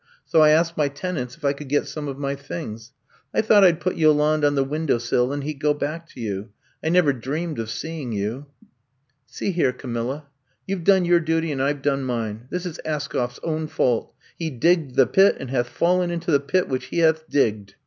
So I asked my tenants if I could get some of my things. 1 thought I ^d put Yolande on the window sill and he 'd go back to you. I never dreamed of seeing you.'* See here, Camilla, you Ve done your duty and I Ve done mine. This is Askoff 's own fault. He digged the pit and hath fallen into the pit which he hath digged.